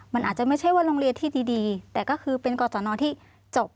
มันอาจจะไม่ใช่ว่าโรงเรียนที่ดีแต่ก็คือเป็นกรสนที่จบ